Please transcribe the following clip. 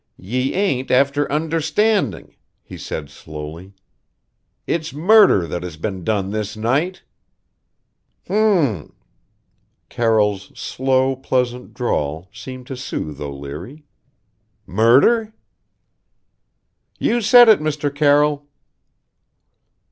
"Ye ain't after understanding" he said slowly. "It's murder that has been done this night." "H m!" Carroll's slow, pleasant drawl seemed to soothe O'Leary. "Murder?" "You said it, Mr. Carroll."